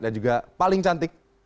dan juga paling cantik